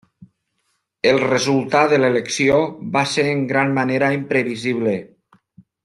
El resultat de l'elecció va ser en gran manera imprevisible.